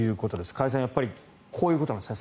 加谷さんこういうことなんですね。